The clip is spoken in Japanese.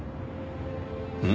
うん？